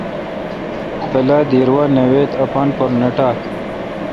بلا دیر وا نہ ویت تے اپان پر نہ نہ ٹاک